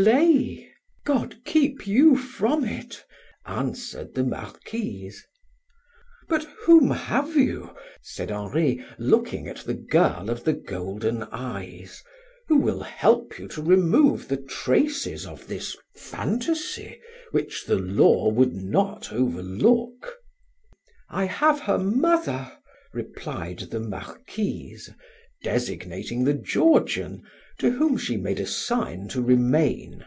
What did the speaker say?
"Play! God keep you from it," answered the Marquise. "But whom have you," said Henri, looking at the girl of the golden eyes, "who will help you to remove the traces of this fantasy which the law would not overlook?" "I have her mother," replied the Marquise, designating the Georgian, to whom she made a sign to remain.